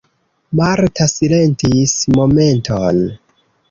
Marta silentis momenton.